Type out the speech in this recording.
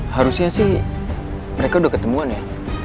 harusnya sih mereka udah ketemuan ya